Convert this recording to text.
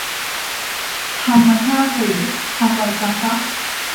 ทำมาชาติเศษ พังไวจังฟะ